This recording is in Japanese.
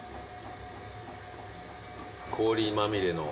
氷まみれの。